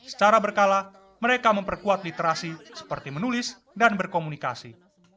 secara berkala mereka memperkuat literasi seperti menulis dan berkomunikasi